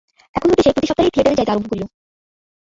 এখন হইতে সে প্রতি সপ্তাহেই থিয়েটারে যাইতে আরম্ভ করিল।